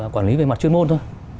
quản lý về mặt chuyên môn thôi